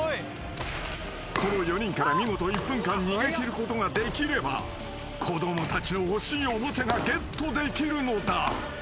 ［この４人から見事１分間逃げ切ることができれば子供たちの欲しいおもちゃがゲットできるのだ］